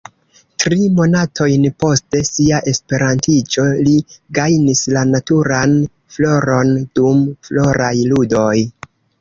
Tri monatojn post sia E-iĝo li gajnis la naturan floron dum Floraj Ludoj.